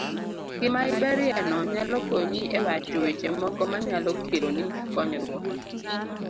Gima iberie no nyalo konyi e wacho weche moko manyalo keloni konyruok.